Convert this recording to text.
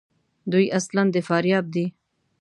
دوی اصلاُ د فاریاب دي.